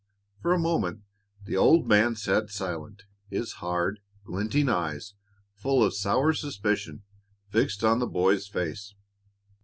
For a moment the old man sat silent, his hard, glinting eyes, full of sour suspicion, fixed on the boy's face.